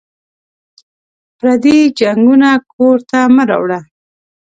پردي جنګونه کور ته مه راوړه